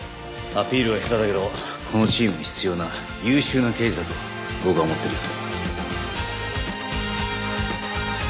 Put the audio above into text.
アピールは下手だけどこのチームに必要な優秀な刑事だと僕は思ってるよ。